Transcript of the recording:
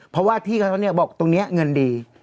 เพราะว่าพี่เขาเนี่ยบอกตรงนี้เงินดี